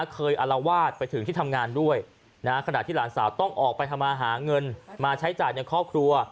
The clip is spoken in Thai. อารวาสไปถึงที่ทำงานด้วยขณะที่หลานสาวต้องออกไปทำมาหาเงินมาใช้จ่ายในครอบครัว